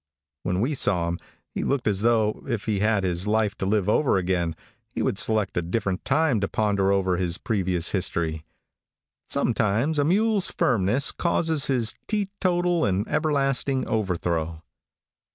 |WHEN we saw him, he looked as though, if he had his life to live over again, he would select a different time to ponder over his previous history. Sometimes a mule's firmness causes his teetotal and everlasting overthrow.